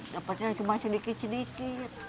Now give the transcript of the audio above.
dapatnya cuma sedikit sedikit